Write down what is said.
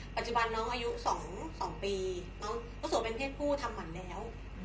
ปัจจุบันน้องอายุ๒ปีน้องวุโสเป็นเพศผู้ทำขวัญแล้ว